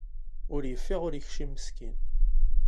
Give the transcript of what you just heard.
Ur yeffiɣ, ur yekcim meskin.